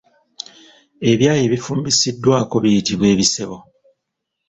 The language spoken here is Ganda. Ebyayi ebifumbisiddwako biyitibwa Ebisebo.